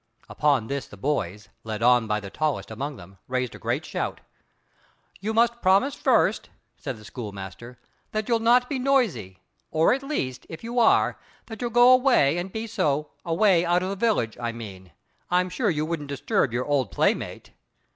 Upon this the boys, led on by the tallest among them, raised a great shout. "You must promise me first," said the schoolmaster, "that you'll not be noisy, or at least, if you are, that you'll go away and be so—away out of the village, I mean. I'm sure you wouldn't disturb your old playmate."